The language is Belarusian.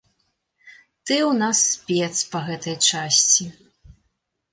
Ты ў нас спец па гэтай часці.